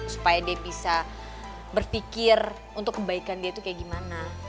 supaya dia bisa berpikir untuk kebaikan dia itu kayak gimana